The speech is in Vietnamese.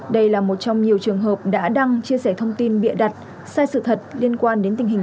đây là một trong nhiều trường hợp đã đăng chia sẻ thông tin bịa đặt sai sự thật liên quan đến tình hình